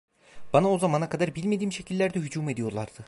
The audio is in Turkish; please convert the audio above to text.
Bana o zamana kadar bilmediğim şekillerde hücum ediyorlardı.